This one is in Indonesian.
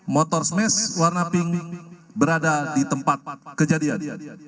motor smash warna pink berada di tempat kejadian